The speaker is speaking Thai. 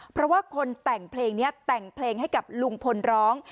เพราะว่าคนแต่งเพลงนี้แต่งเพลงให้กับลุงพลร้อง